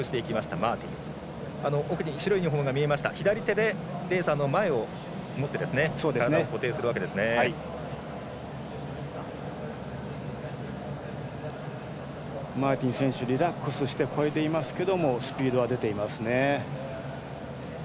マーティン選手リラックスしてこいでいますけどスピードは出ていますね。